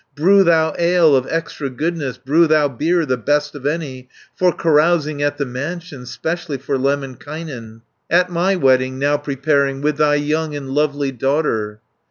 Brew thou ale of extra goodness, Brew thou beer the best of any, For carousing at the mansion, Specially for Lemminkainen, At my wedding, now preparing, With thy young and lovely daughter."